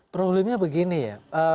problemnya begini ya